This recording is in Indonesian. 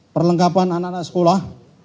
perlengkapan anak anak sekolah